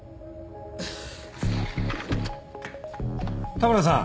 田村さん。